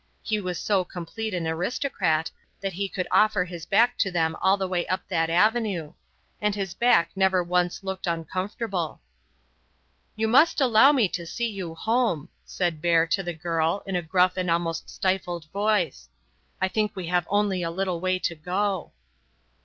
He was so complete an aristocrat that he could offer his back to them all the way up that avenue; and his back never once looked uncomfortable. "You must allow me to see you home," said Bert to the girl, in a gruff and almost stifled voice; "I think we have only a little way to go."